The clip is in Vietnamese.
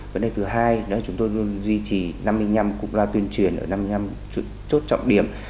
vấn đề thứ hai là chúng tôi luôn duy trì năm mươi năm cục lo tuyên truyền ở năm mươi năm chốt trọng điểm